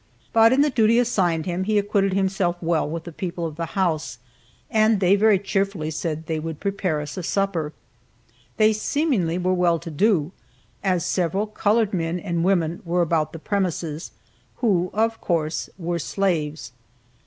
But in the duty assigned him he acquitted himself well with the people of the house, and they very cheerfully said they would prepare us a supper. They seemingly were well to do, as several colored men and women were about the premises, who, of course, were slaves.